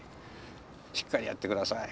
「しっかりやってください」